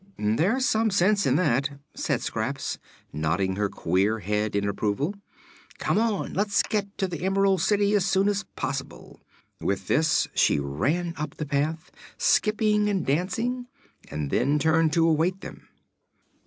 "There's some sense in that," said Scraps, nodding her queer head in approval. "Come on, and let's get to the Emerald City as soon as possible." With this she ran up the path, skipping and dancing, and then turned to await them.